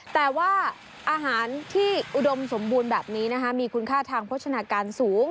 แต่ว่าอาหารที่อุดมสมบูรณ์แบบนี้มีคุณค่าทางโภชนาการสูง